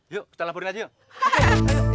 yuk kita laporin aja yuk